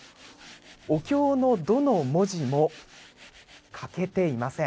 お経の、どの文字も欠けていません。